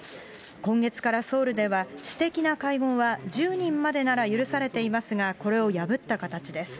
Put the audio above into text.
今月からソウルでは、私的な会合は１０人までなら許されていますが、これを破った形です。